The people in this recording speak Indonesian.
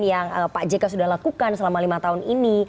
dan yang pak jk sudah lakukan selama lima tahun ini